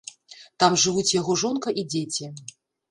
Там жывуць яго жонка і дзеці.